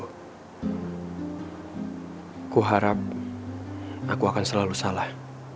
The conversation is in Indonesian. aku harap aku akan selalu salah